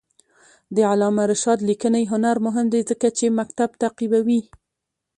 د علامه رشاد لیکنی هنر مهم دی ځکه چې مکتب تعقیبوي.